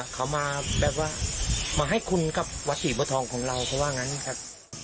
เขามาแบบว่ามาให้คุณกับวัดศรีบัวทองของเราเขาว่างั้นครับ